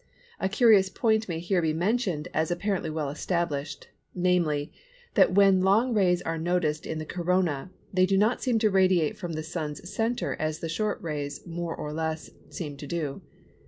A curious point may here be mentioned as apparently well established, namely, that when long rays are noticed in the Corona they do not seem to radiate from the Sun's centre as the short rays more or less seem to do.